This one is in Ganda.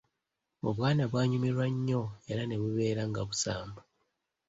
Obwana bwanyumirwa nnyo era ne bubeera nga busamba.